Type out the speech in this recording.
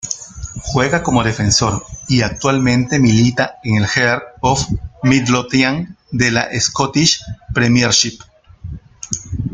Juega como defensor y actualmente milita en Heart of Midlothian de la Scottish Premiership.